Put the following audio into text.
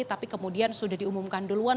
tapi kemudian sudah diumumkan duluan